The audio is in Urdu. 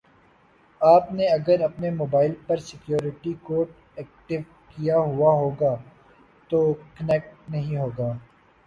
آپ نے اگر اپنے موبائل پر سیکیوریٹی کوڈ ایکٹیو کیا ہوا ہوگا تو کنیکٹ نہیں ہوگا